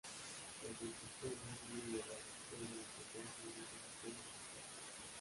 Concentraciones muy elevadas pueden encontrarse en muchas especies de Acacia.